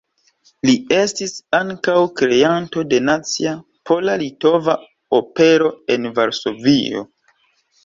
Li estis ankaŭ kreanto de nacia pola-litova opero en Varsovio.